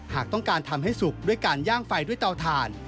หากต้องการทำให้สุกด้วยการย่างไฟด้วยเตาถ่าน